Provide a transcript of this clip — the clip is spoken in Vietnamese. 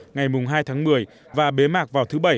ngày hai tháng một mươi và bế mạc vào thứ bảy